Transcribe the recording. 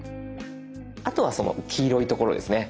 あとはその黄色いところですね。